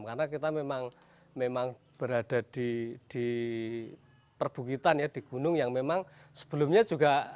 karena kita memang berada di perbukitan di gunung yang memang sebelumnya juga